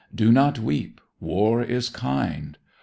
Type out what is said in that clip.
Do not weep, War is kind.